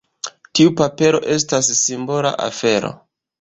Tiu papero estas simbola afero.